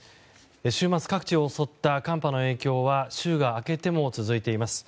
週末、各地を襲った寒波の影響は週が明けても続いています。